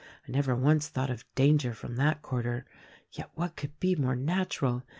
I never once thought of danger from that quar ter; yet what could be more natural.